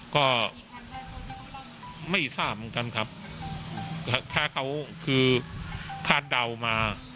ก็ไม่ทราบเหมือนกันครับถ้าเขาคือคาดเดามา